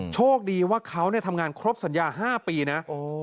โชคดีว่าเขาทำงานครบสัญญา๕ปีนะ